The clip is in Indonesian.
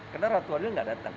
karena ratu adil gak datang